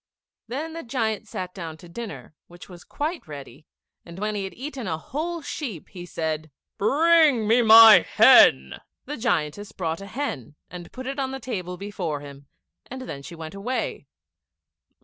Then the giant sat down to dinner, which was quite ready, and when he had eaten a whole sheep, he said, "Bring me my hen." The giantess brought a hen, and put it on the table before him, and then she went away.